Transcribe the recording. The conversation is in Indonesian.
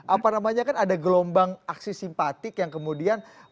apa namanya kan ada gelombang aksi simpatik yang kemudian